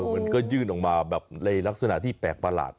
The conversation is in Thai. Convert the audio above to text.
มันก็ยื่นออกมาแบบในลักษณะที่แปลกประหลาด